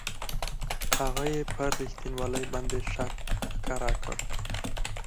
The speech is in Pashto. هغه یې پر رښتینوالي باندې شک ښکاره کړ.